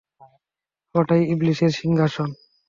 ওটাই ইবলীসের সিংহাসন।